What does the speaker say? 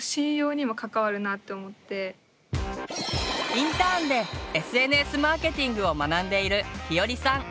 インターンでＳＮＳマーケティングを学んでいるひよりさん。